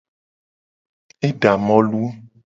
E da molu.